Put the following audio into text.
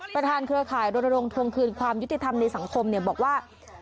เครือข่ายรณรงค์ทวงคืนความยุติธรรมในสังคมบอกว่า